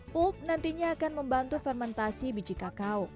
pulk nantinya akan membantu fermentasi biji kakao